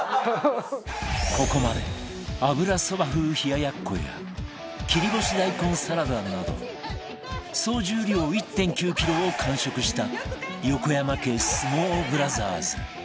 ここまで油そば風冷奴や切り干し大根サラダなど総重量 １．９ キロを完食した横山家相撲ブラザーズ